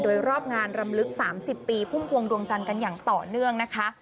โดยรอบงานรำลึก๓๐ปีพุ่มพวงดวงจันทร์กันอย่างต่อเนื่องนะคะ